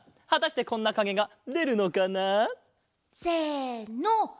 はたしてこんなかげがでるのかな？せの！